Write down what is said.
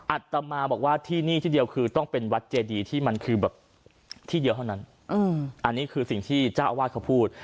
อัตมาบอกว่าที่นี่ที่เดียวคือต้องเป็นวัดเจดีที่มันคือแบบที่เดียวเท่านั้นอันนี้คือสิ่งที่เจ้าอาวาสเขาพูด